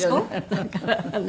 だからね